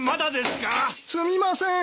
すみません！